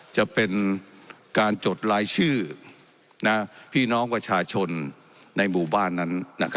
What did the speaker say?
จะเป็นการจดรายชื่อพี่น้องประชาชนในหมู่บ้านนั้น